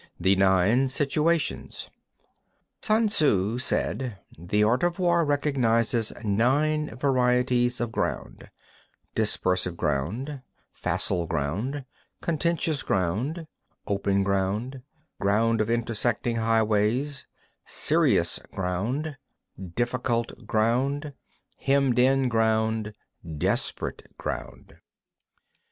Sun Tzŭ said: The art of war recognises nine varieties of ground: (1) Dispersive ground; (2) facile ground; (3) contentious ground; (4) open ground; (5) ground of intersecting highways; (6) serious ground; (7) difficult ground; (8) hemmed in ground; (9) desperate ground.